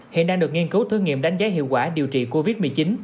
hiện đang được nghiên cứu thử nghiệm đánh giá hiệu quả điều trị covid một mươi chín